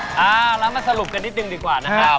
แล้วมาสรุปกันนิดนึงดีกว่านะครับ